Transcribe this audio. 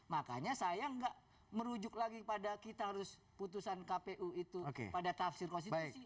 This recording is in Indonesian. makanya saya nggak merujuk lagi kepada kita harus putusan kpu itu pada tafsir konstitusi